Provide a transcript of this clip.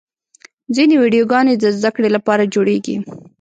ځینې ویډیوګانې د زدهکړې لپاره جوړېږي.